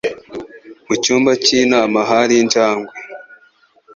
Mu cyumba cy'inama hari injangwe.